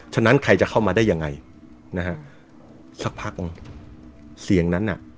ฉะนั้นใครจะเข้ามาได้ยังไงนะฮะสักพักหนึ่งเสียงนั้นน่ะ